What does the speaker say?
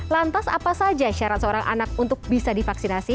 lantas apa saja syarat seorang anak untuk bisa divaksinasi